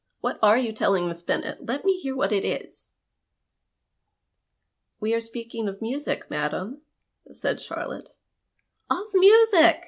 What arc you telling Miss Bennet ? Let me hear what it is." " We arc speaking of musie, madam," said Charlotte. " Of musie